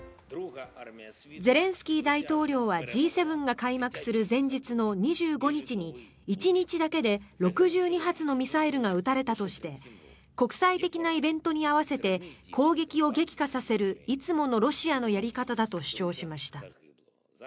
ゼレンスキー大統領はＧ７が開幕する前日の２５日に１日だけで６２発のミサイルが撃たれたとして国際的なイベントに合わせて攻撃を激化させるいつものロシアのやり方だと主張しました。